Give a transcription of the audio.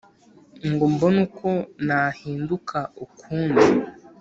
ngo mbone uko nahinduka ukundi